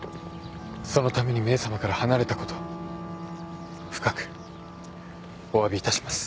そのためにメイさまから離れたこと深くおわびいたします。